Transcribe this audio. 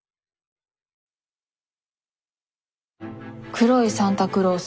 「黒いサンタクロース。